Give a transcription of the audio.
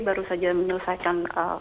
baru saja menyelesaikan